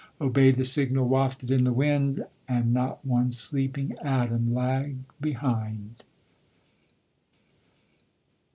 Obey the signal, wafted in the wind, A'k] not one sleeping e tom lag behind."